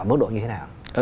ở mức độ như thế nào